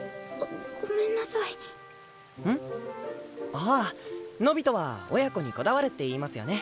ああノビトは親子にこだわるっていいますよね。